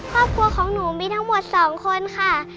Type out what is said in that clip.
ความปกประกอบของหนูมีทั้งหมดสองคนค่ะ